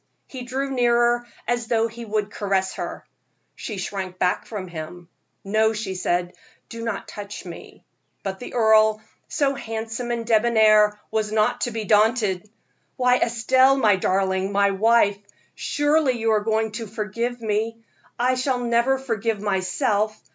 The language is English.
He drew nearer, as though he would caress her. She shrunk from him. "No," she said, "do not touch me." But the earl, so handsome and debonair, was not to be daunted. "Why, Estelle, my darling, my wife, surely you are going to forgive me I shall never forgive myself.